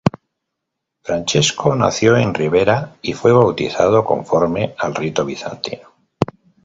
Francesco nació en Ribera y fue bautizado conforme al rito bizantino.